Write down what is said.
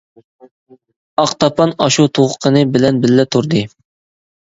ئاق تاپان ئاشۇ تۇغقىنى بىلەن بىللە تۇردى.